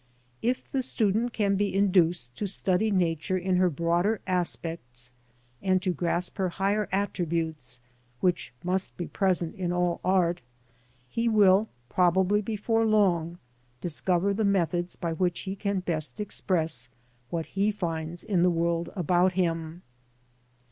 If the student can be induced to study Nature in her broader aspects, and to grasp her higher attributes, which must be present in all art, he will, probably before long, discover the methods by which he can best express what he finds in the world about him.